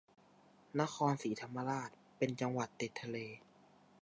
นครศรีธรรมราชเป็นจังหวัดติดทะเล